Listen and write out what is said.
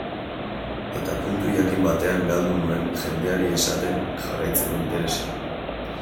Eta puntu jakin batean galdu nuen jendeari esaten jarraitzeko interesa.